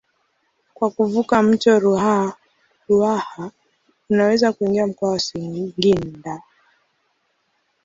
Kwa kuvuka mto Ruaha unaweza kuingia mkoa wa Singida.